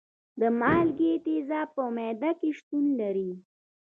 د مالګې تیزاب په معده کې شتون لري.